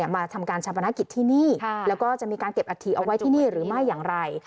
มาทำการชาปนกิจที่นี่แล้วก็จะมีการเก็บอัฐิเอาไว้ที่นี่หรือไม่อย่างไร